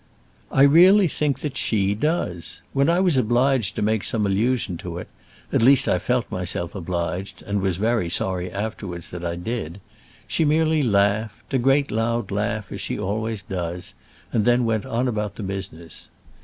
"I really think that she does. When I was obliged to make some allusion to it at least I felt myself obliged, and was sorry afterwards that I did she merely laughed a great loud laugh as she always does, and then went on about the business.